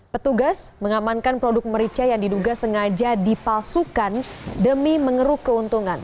petugas mengamankan produk merica yang diduga sengaja dipalsukan demi mengeruk keuntungan